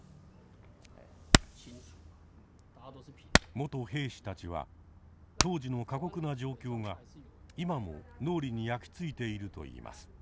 元兵士たちは当時の過酷な状況が今も脳裏に焼き付いているといいます。